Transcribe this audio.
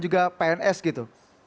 juga pns gitu